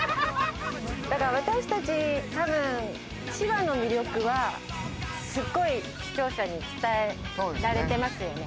だから私たちたぶん千葉の魅力はすっごい視聴者に伝えられてますよね。